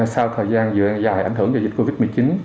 sau thời gian dài ảnh hưởng về dịch covid một mươi chín